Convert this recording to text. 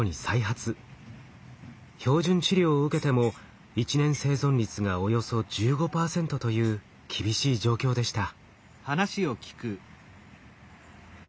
標準治療を受けても１年生存率がおよそ１５％という厳しい状況でした。